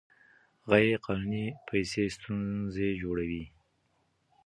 غیر قانوني پیسې ستونزې جوړوي.